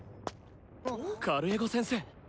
カルエゴ先生。